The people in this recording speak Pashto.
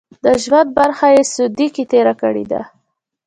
د ژوند برخه یې سعودي کې تېره کړې وه.